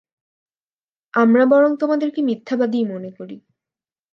আমরা বরং তোমাদেরকে মিথ্যাবাদীই মনে করি।